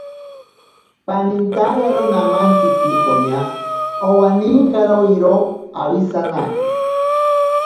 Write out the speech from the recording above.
Panintaiyaro mamantsiki poña owaninkaro iroo awisanaje.